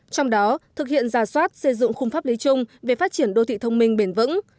trong đó thực hiện giả soát xây dựng khung pháp lý chung về phát triển đô thị thông minh bền vững